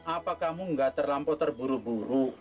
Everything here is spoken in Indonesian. apa kamu gak terlampau terburu buru